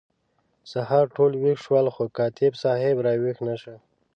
سهار ټول ویښ شول خو کاتب صاحب را ویښ نه شو.